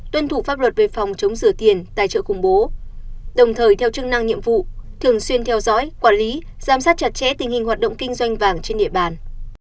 tuân thủ pháp luật về phòng chống rửa tiền tài trợ khủng bố đồng thời theo chức năng nhiệm vụ thường xuyên theo dõi quản lý giám sát chặt chẽ tình hình hoạt động kinh doanh vàng trên địa bàn